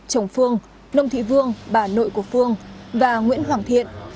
chồng phương nông thị vương bà nội của phương và nguyễn hoàng thiện